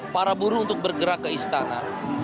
para buruh untuk bergerak ke istana